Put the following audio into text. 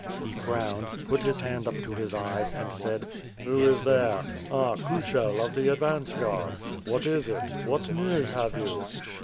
He frowned, put his hand up to his eyes and said: "Who is there? Ah! Kushel of the advance guard! What is it? What news have you?"